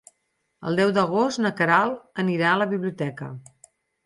El deu d'agost na Queralt anirà a la biblioteca.